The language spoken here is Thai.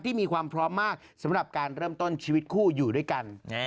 มีความพร้อมมากสำหรับการเริ่มต้นชีวิตคู่อยู่ด้วยกัน